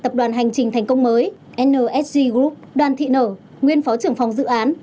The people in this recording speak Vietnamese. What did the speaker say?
tập đoàn hành trình thành công mới nsg group đoàn thị nở nguyên phó trưởng phòng dự án